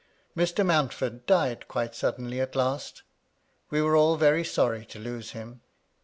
Mr. Mountford died quite suddenly at last We were aU veiy sorry to lose him.